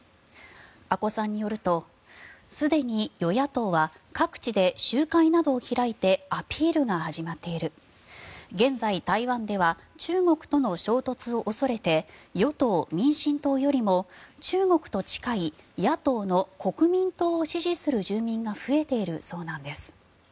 阿古さんによるとすでに与野党は各地で集会などを開いてアピールが始まっている現在、台湾では中国との衝突を恐れて与党・民進党よりも中国と近い野党の国民党を支持する住民が増えているそうなんです。